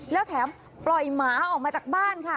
แล้วแถมปล่อยหมาออกมาจากบ้านค่ะ